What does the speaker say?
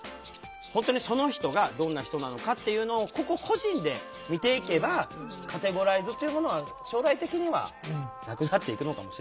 本当にその人がどんな人なのかっていうのを個々個人で見ていけばカテゴライズっていうものは将来的にはなくなっていくのかもしれないね。